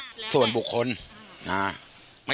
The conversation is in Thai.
คุณผู้ชม